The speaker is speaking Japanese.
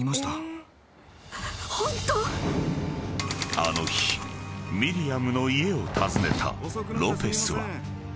［あの日ミリアムの家を訪ねたロペスは］